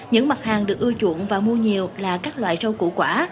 những mặt hàng được ưa chuộng và mua nhiều là các loại rau củ quả